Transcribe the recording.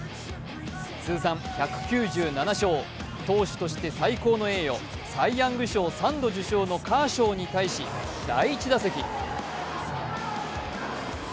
通算１９７勝、投手として最高の栄誉、サイ・ヤング賞３度受賞のカーショウに対し、第１打席